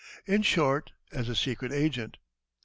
in short, as a secret agent.